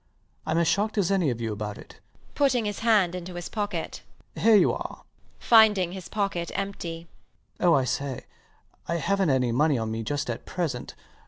I'm as shocked as any of you about it. [Putting his hand into his pocket] Here you are. [Finding his pocket empty] Oh, I say, I havnt any money on me just at present.